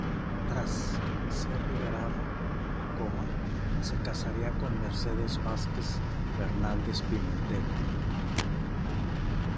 Tras ser liberado, se casaría con Mercedes Vázquez Fernández-Pimentel.